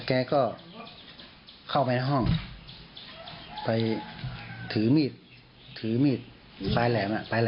ถ้าแกก็เข้าไปห้องไปถือมีดถือมีดปลายแหลมและปลายแหลมมีดปลายแหลม